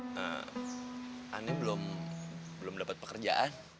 anaknya belum belum dapat pekerjaan